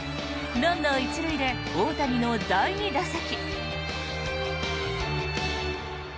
ランナー１塁で大谷の第２打席。